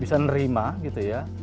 bisa nerima gitu ya